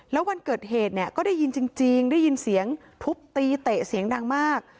แล้ววันเกิดเหตุเนี่ยก็ได้ยินจริงได้ยินเสียงทุบตีเตะเสียงดังมาก